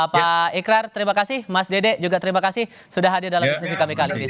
pak ikrar terima kasih mas dede juga terima kasih sudah hadir dalam diskusi kami kali ini